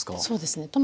そうですね